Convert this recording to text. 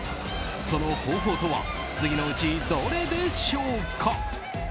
その方法とは次のうちどれでしょうか？